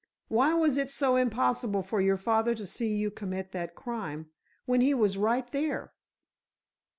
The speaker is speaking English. Why was it so impossible for your father to see you commit that crime, when he was right there?"